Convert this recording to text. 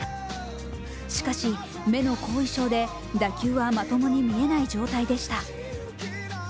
しかし目の後遺症で打球はまともに見えない状態でした。